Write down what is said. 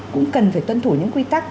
cũng cần phải tuân thủ những quy tắc